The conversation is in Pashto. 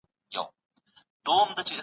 موږ باید د خپلمنځي اړيکو د رغولو هڅه وکړو.